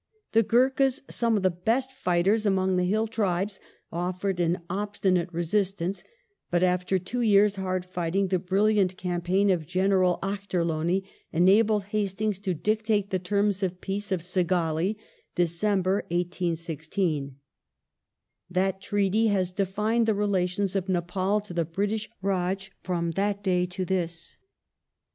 The Gurkhas — some of the best fighters among the hill tribes — offered an obstinate resistance, but, after two years' hard fighting the brilliant campaign of General Ochterlony enabled Hastings to dictate the terms of the Peace of Segauli (Dec. 1816). That treaty has defined the relations of Nepal to the British Rdj from that day to this.